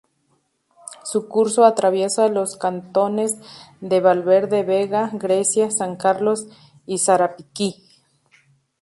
Su curso atraviesa los cantones de Valverde Vega, Grecia, San Carlos y Sarapiquí.